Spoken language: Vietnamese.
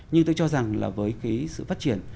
như tôi cho rằng là với cái sự phát triển